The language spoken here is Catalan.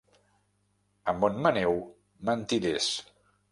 A Montmaneu, mentiders.